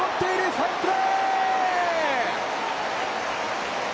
ファインプレー！